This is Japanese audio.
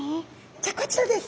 じゃこちらです。